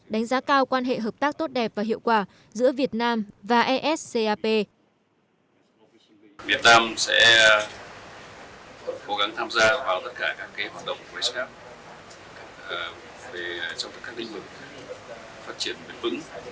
đánh giá cao quan hệ hợp tác tốt đẹp và hiệu quả giữa việt nam và s cap